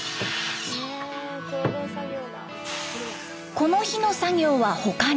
この日の作業は他に。